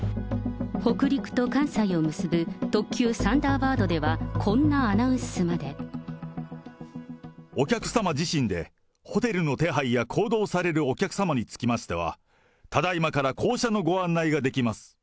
北陸と関西を結ぶ特急サンダーバードでは、こんなアナウンスお客様自身で、ホテルの手配や行動されるお客様につきましては、ただいまから降車のご案内ができます。